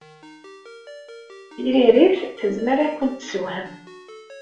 Tiririt tezmer ad kent-tessewhem.